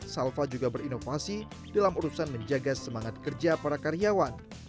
salva juga berinovasi dalam urusan menjaga semangat kerja para karyawan